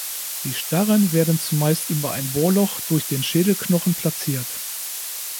Die starren werden zumeist über ein Bohrloch durch den Schädelknochen platziert.